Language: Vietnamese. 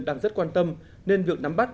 đang rất quan tâm nên việc nắm bắt